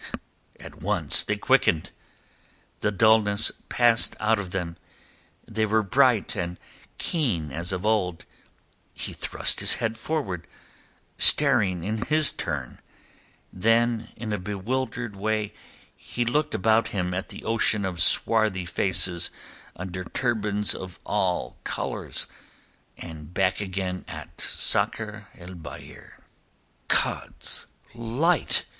At once they quickened, the dulness passed out of them; they were bright and keen as of old. He thrust his head forward, staring in his turn; then, in a bewildered way he looked about him at the ocean of swarthy faces under turbans of all colours, and back again at Sakr el Bahr. "God's light!"